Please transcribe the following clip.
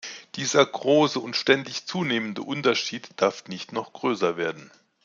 Dieser große und ständig zunehmende Unterschied darf nicht noch größer werden.